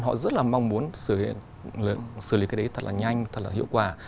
họ rất là mong muốn xử lý cái đấy thật là nhanh thật là hiệu quả